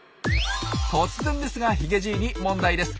突然ですがヒゲじいに問題です。